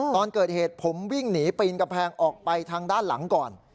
ตอนเกิดเหตุผมวิ่งหนีปีนกำแพงออกไปทางด้านหลังก่อน